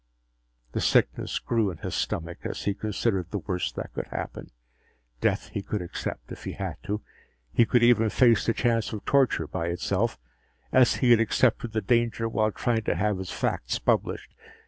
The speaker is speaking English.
The sickness grew in his stomach as he considered the worst that could happen. Death he could accept, if he had to. He could even face the chance of torture by itself, as he had accepted the danger while trying to have his facts published.